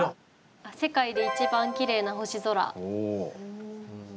「世界で一番きれいな星空」。